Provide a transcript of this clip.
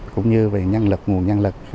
cũng như về nhân lực nguồn nhân lực